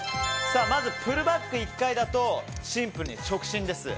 まずプルバック１回だとシンプルに直進です。